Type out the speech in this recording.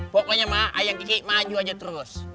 pokoknya mah ayang kiki maju aja terus